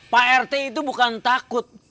pak rt itu bukan takut